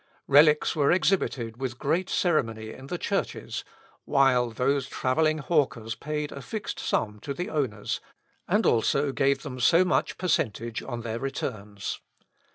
Relics were exhibited with great ceremony in the churches, while those travelling hawkers paid a fixed sum to the owners, and also gave them so much per centage on their returns.